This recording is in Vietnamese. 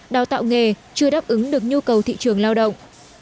đào tạo nghề chưa đáp ứng được nhu cầu thị trường lao động